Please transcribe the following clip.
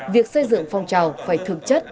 việc xây dựng phong trào phải thực chất